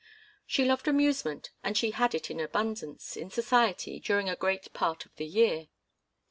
She loved amusement and she had it in abundance, in society, during a great part of the year.